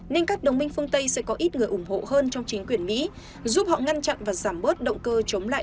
nên các đồng minh phương tây sẽ có ít người ủng hộ hơn trong chính quyền mới